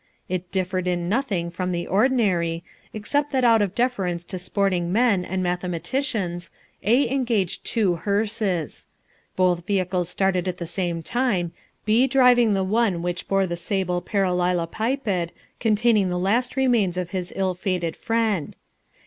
It differed in nothing from the ordinary, except that out of deference to sporting men and mathematicians, A engaged two hearses. Both vehicles started at the same time, B driving the one which bore the sable parallelopiped containing the last remains of his ill fated friend.